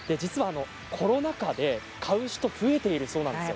コロナ禍で買う人が増えているそうなんです。